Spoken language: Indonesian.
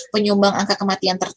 penyumbang angka kematian tertentu